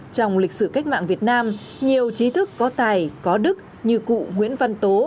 trong lịch sử cách mạng việt nam nhiều trí thức có tài có đức như cụ nguyễn văn tố